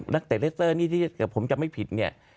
นักเตะเลสเตอร์นี่ที่ผมจำไม่ผิดเนี่ย